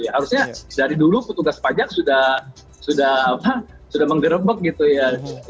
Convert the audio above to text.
harusnya dari dulu petugas pajak sudah menggerebek gitu ya